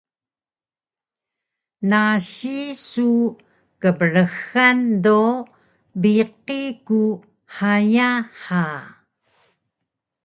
Nasi su kbrxan do biqi ku haya ha